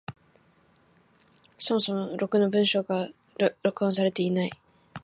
そもそもろくな文章が録音されていない。